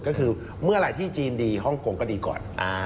ก็คือเมื่อไหร่ที่จีนดีฮ่องกงก็ดีก่อน